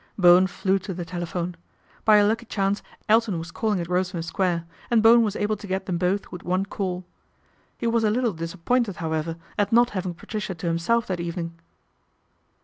Bowen flew to the telephone. By a lucky chance Elton was calling at Grosvenor Square, and Bowen was able to get them both with one call. He was a little disappointed, however, at not hav ing Patricia to himself that evening.